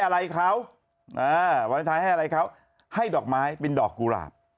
วาเลนไทม์ให้อะไรเขาให้ดอกไม้เป็นดอกกุหลาด